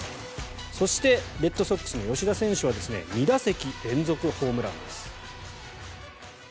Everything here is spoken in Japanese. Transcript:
そしてレッドソックスの吉田選手は２打席連続ホームランです。